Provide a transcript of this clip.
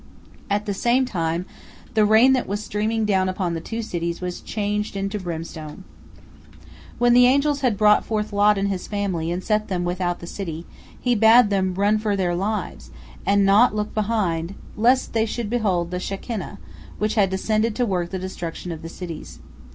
At the same time the rain that was streaming down upon the two cities was changed into brimstone. When the angels had brought forth Lot and his family and set them without the city, he bade them run for their lives, and not look behind, lest they behold the Shekinah, which had descended to work the destruction of the cities.